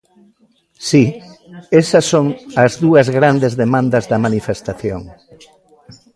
Si, esas son as dúas grandes demandas da manifestación.